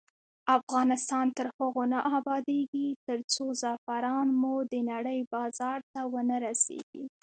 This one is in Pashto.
افغانستان تر هغو نه ابادیږي، ترڅو زعفران مو د نړۍ بازار ته ونه رسیږي.